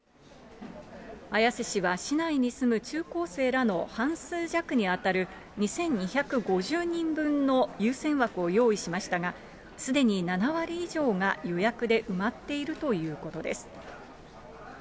綾瀬市は市内に住む中高生らの半数弱に当たる２２５０人分の優先枠を用意しましたが、すでに７割以上が予約で埋まっているということです。